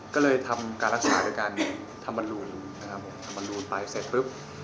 ก็เลยทำการรักษาโดยการทำบรรลูนนะครับผมทำบรรลูนไปเสร็จปุ๊บ